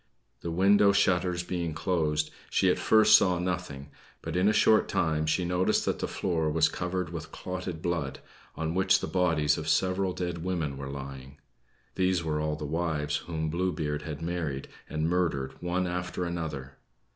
The window shutters being closed, she at first saw nothing; but in a short time she noticed that the floor was covered with clotted blood, on which the bodies of several dead women were lying. (These were all the wives whom Blue Beard had married, and murdered one after another!)